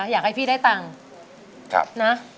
อยากให้พี่ได้ตังค์นะ